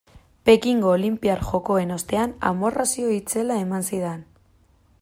Pekingo olinpiar jokoen ostean amorrazio itzela eman zidan.